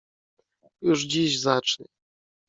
Już dziś zacznie.